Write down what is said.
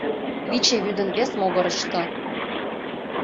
Виче вӱдын вес могырышто